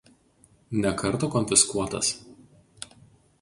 Ne kartą konfiskuotas.